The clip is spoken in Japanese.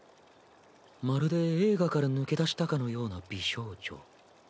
まるで映画から抜け出したかのような美少女。